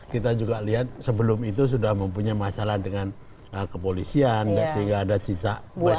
kita juga lihat sebelum itu sudah mempunyai masalah dengan kepolisian sehingga ada cicak